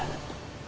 selama empat tahun